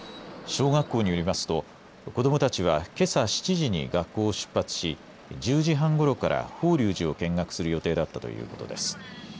小学校によりますと子どもたちはけさ７時に学校を出発し、１０時半ごろから法隆寺を見学する予定だったということです。